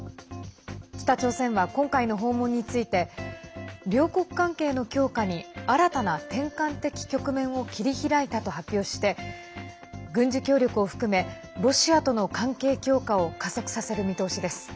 北朝鮮は今回の訪問について両国関係の強化に新たな転換的局面を切り開いたと発表して軍事協力を含めロシアとの関係強化を加速させる見通しです。